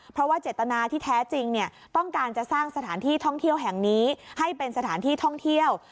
เพราะว่าเจตนาที่แท้จริงต้องการจะสร้างสถานที่ท่องเที่ยวแห่งนี้ให้เป็นสถานที่ท่องเที่ยว